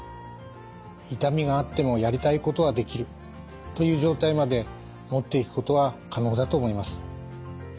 痛みがあってもやりたいことはできるという状態まで持っていくことは可能だと思います。